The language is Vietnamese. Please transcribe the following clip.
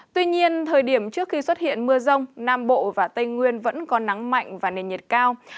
tuy nhiên thời điểm trước khi xuất hiện mưa rông nam bộ và tây nguyên vẫn có nắng mạnh và nền nhiệt cao